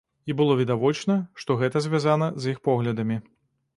І было відавочна, што гэта звязана з іх поглядамі.